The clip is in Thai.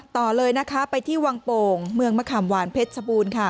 ต่อเลยนะคะไปที่วังโป่งเมืองมะขามหวานเพชรชบูรณ์ค่ะ